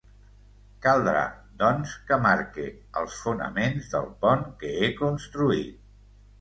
Caldrà, doncs, que marque els fonaments del pont que he construït.